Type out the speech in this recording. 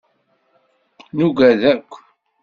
Nugad akk.